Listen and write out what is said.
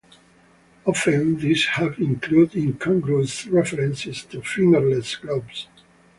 Often these have included incongruous references to fingerless gloves.